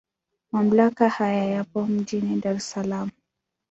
Mamlaka haya yapo mjini Dar es Salaam.